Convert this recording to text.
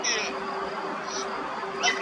يو به مړ نه سي، بل به موړ نه سي.